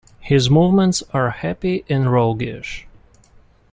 His movements are happy and roguish.